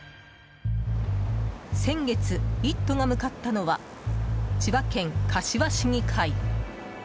先月「イット！」が向かったのは千葉県柏市議会。